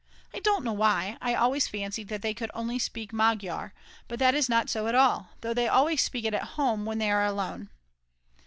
I don't know why, I always fancied that they could only speak Magyar; but that is not so at all, though they always speak it at home when they are alone.